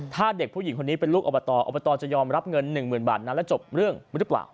ถ้าเด็กผู้หญิงคนนี้เป็นลูกอบตอบตจะยอมรับเงิน๑๐๐๐บาทนั้นแล้วจบเรื่องหรือเปล่า